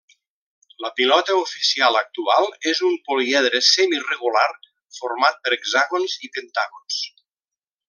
La pilota oficial actual és un poliedre semiregular format per hexàgons i pentàgons.